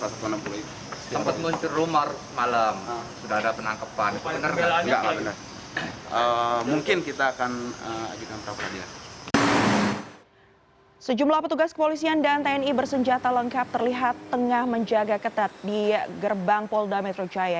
sejumlah petugas kepolisian dan tni bersenjata lengkap terlihat tengah menjaga ketat di gerbang polda metro jaya